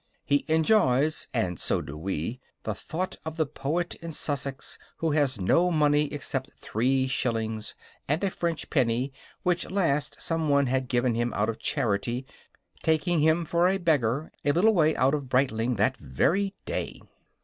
He enjoys and so do we the thought of the poet in Sussex who had no money except three shillings, "and a French penny, which last some one had given him out of charity, taking him for a beggar a little way out of Brightling that very day."